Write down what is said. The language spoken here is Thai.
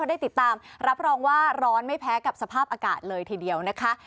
ได้ติดตามรับรองว่าร้อนไม่แพ้กับสภาพอากาศเลยทีเดียวนะคะ